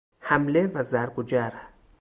حمله و ضرب و جرح